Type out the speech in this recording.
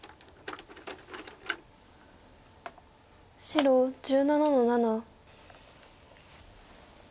白１７の七。